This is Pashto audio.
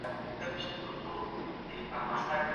ښوونځي زدهکوونکي د هدف ټاکلو زدهکړه کوي.